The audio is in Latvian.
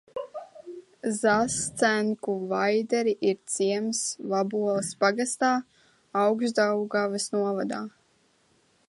Zascenku Vaideri ir ciems Vaboles pagastā, Augšdaugavas novadā.